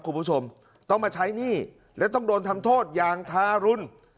คุณผู้ชมต้องมาใช้หนี้และต้องโดนทำโทษอย่างทารุณ